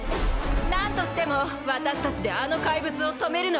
「何としても私たちであの怪物を止めるの」